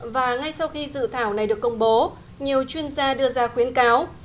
và ngay sau khi dự thảo này được công bố nhiều chuyên gia đưa ra khuyến cáo